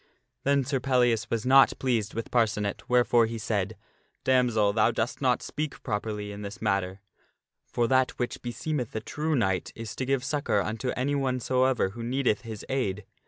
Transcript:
Then Sir Pellias was not pleased with Parcenet, wherefore he said, " Damsel, thou dost not speak properly in this matter, for that which be seemeth a true knight is to give succor unto anyone soever who needeth his aid.